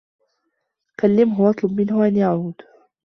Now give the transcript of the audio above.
كلّمه و اطلب منه أن يعود.